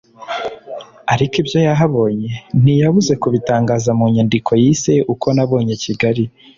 ariko ibyo yahabonye ntiyabuze kubitangaza mu nyandiko yise ‘Uko nabonye Kigali